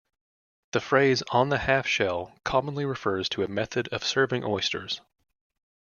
The phrase "on the half-shell" commonly refers to a method of serving oysters.